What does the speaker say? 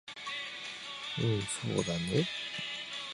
うんそうだね